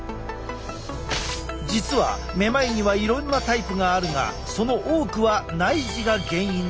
実はめまいにはいろいろなタイプがあるがその多くは内耳が原因なのだ！